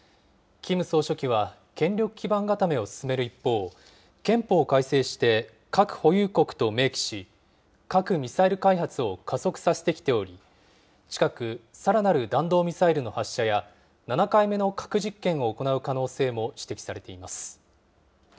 キム総書記は、権力基盤固めを進める一方、憲法を改正して、核保有国と明記し、核・ミサイル開発を加速させてきており、近く、さらなる弾道ミサイルの発射や、７回目の核実験を行う可能性も指摘されています。